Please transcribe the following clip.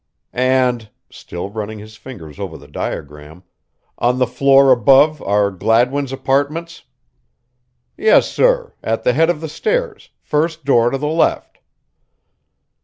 "And," still running his finger over the diagram, "on the floor above are Gladwin's apartments." "Yes, sir, at the head of the stairs first door to the left."